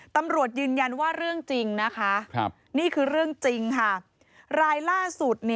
ตำรวจยืนยันว่าเรื่องจริงนะคะนี่คือเรื่องจริงค่ะรายล่าสุด